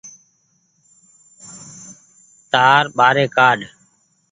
تآر ٻآري ڪآڏ۔